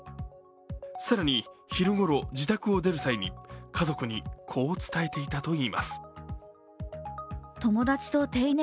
更に昼ごろ、自宅を出る際に家族にこう伝えていたといいます。